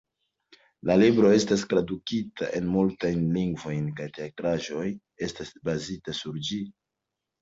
La libro estas tradukita en multajn lingvojn kaj teatraĵo estas bazita sur ĝi.